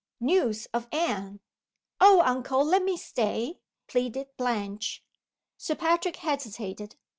News of Anne! "Oh, uncle, let me stay!" pleaded Blanche. Sir Patrick hesitated.